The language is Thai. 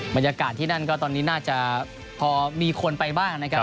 บรรยากาศที่นั่นก็ตอนนี้น่าจะพอมีคนไปบ้างนะครับ